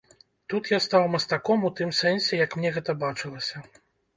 Тут я стаў мастаком у тым сэнсе, як мне гэта бачылася.